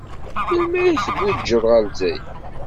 Melmi ay tguǧǧed ɣer Lezzayer?